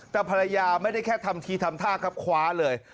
แต่ภรรยาไม่ได้แค่ทำทีทำท่าครับคว้าเลย